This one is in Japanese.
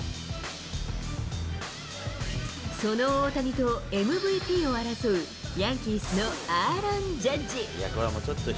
その大谷とＭＶＰを争う、ヤンキースのアーロン・ジャッジ。